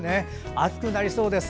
暑くなりそうです。